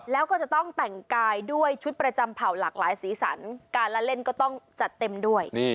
แล้วก็จะต้องแต่งกายด้วยชุดประจำเผ่าหลากหลายสีสันการละเล่นก็ต้องจัดเต็มด้วย